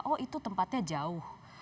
oh itu tempatnya jauh